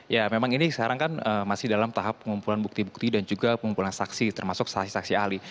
ya memang ini sekarang kan masih dalam tahap pengumpulan bukti bukti dan juga pengumpulan saksi termasuk saksi saksi ahli